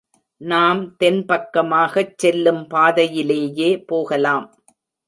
நாம் தென் பக்கமாகச் செல்லும் பாதையிலேயே போகலாம்.